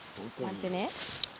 待ってね。